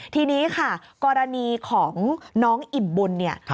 ทีนี้ค่ะกรณีของน้องอิ่มบุญเนี่ย